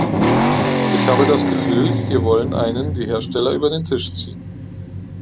Ich habe das Gefühl, hier wollen einen die Hersteller über den Tisch ziehen.